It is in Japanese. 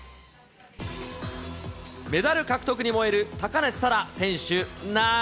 メダル獲得に燃える高梨沙羅選手なん。